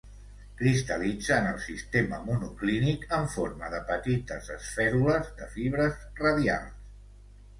Cristal·litza en el sistema monoclínic en forma de petites esfèrules de fibres radials.